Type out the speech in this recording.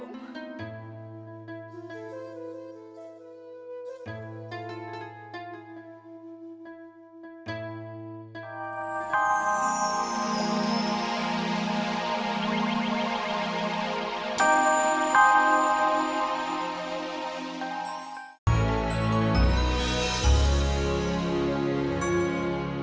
aki jangan kasih tau siapapun soal isi hati rum